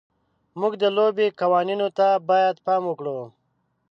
موږ د لوبې قوانینو ته باید پام وکړو.